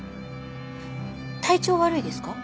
体調悪いですか？